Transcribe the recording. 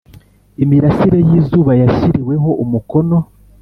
imirasire y izuba yashyiriweho umukono